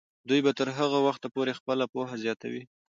دوی به تر هغه وخته پورې خپله پوهه زیاتوي.